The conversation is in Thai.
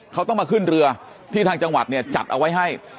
เขาต้องมาขึ้นเรือที่ทางจังหวัดเนี่ยจัดเอาไว้ให้